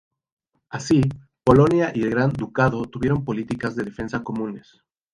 Así, Polonia y el Gran Ducado tuvieron políticas de defensa comunes.